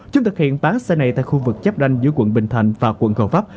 chúng thực hiện bán xe này tại khu vực chấp đanh giữa quận bình thành và quận gò vấp